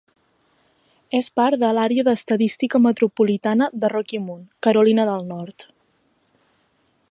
És part de l'àrea d'estadística metropolitana de Rocky Mount, Carolina del Nord.